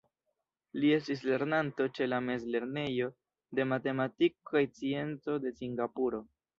Li estis lernanto ĉe la Mezlernejo de Matematiko kaj Scienco de Singapuro.